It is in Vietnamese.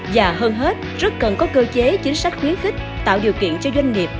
và hơn hết rất cần có cơ chế chính sách khuyến khích tạo điều kiện cho doanh nghiệp